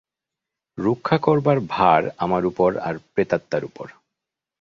রক্ষা করবার ভার আমার উপর আর প্রেতাত্মার উপর।